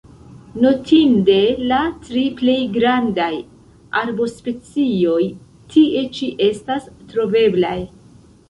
Notinde, la tri plej grandaj arbospecioj tie ĉi estas troveblaj.